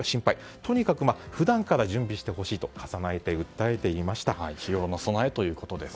とにかく普段から準備してほしいと重ねて訴えていました。